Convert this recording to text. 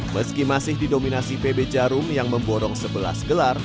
meski masih didominasi pb jarum yang memborong sebelas gelar